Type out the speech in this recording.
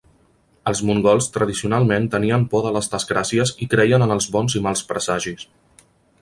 Els mongols tradicionalment tenien por de les desgràcies i creien en els bons i mals presagis.